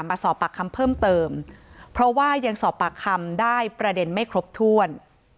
มาสอบปากคำเพิ่มเติมเพราะว่ายังสอบปากคำได้ประเด็นไม่ครบถ้วน